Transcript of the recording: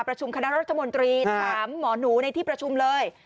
ประชุมคณะรัฐมนตรีถามหมอหนูในที่ประชุมเลย